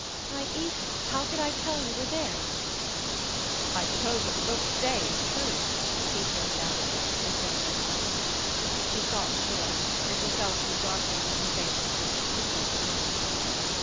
"Why, Ethan, how could I tell you were there?" "I suppose what folks say is true," he jerked out at her, instead of answering. She stopped short, and he felt, in the darkness, that her face was lifted quickly to his.